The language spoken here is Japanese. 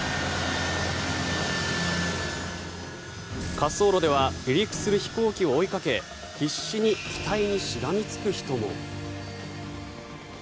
滑走路では離陸する飛行機を追いかけ必死に機体にしがみつく人も。